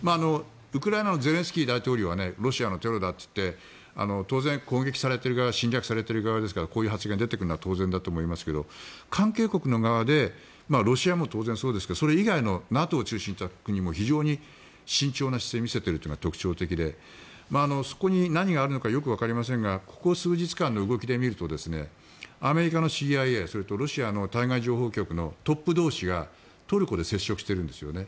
ウクライナのゼレンスキー大統領はロシアのテロだって言って当然、攻撃されている側侵略されている側ですからこういう発言が出てくるのは当然だと思いますが関係国の側でロシアも当然そうですがそれ以外のＮＡＴＯを中心とした国も非常に慎重な姿勢を見せているのが特徴的でそこに何があるのかよくわかりませんがここ数日間の動きで見るとアメリカのＣＩＡそれとロシアの対外情報局のトップ同士がトルコで接触しているんですよね。